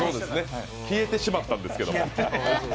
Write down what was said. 消えてしまったんですけども。